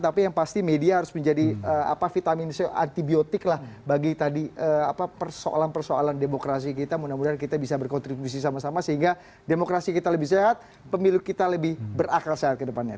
tapi yang pasti media harus menjadi vitamin c antibiotik lah bagi tadi persoalan persoalan demokrasi kita mudah mudahan kita bisa berkontribusi sama sama sehingga demokrasi kita lebih sehat pemilu kita lebih berakal sehat ke depannya